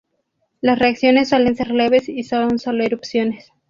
Las reacciones suelen ser leves y son sólo erupciones.